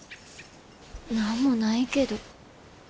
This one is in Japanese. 何もないけど。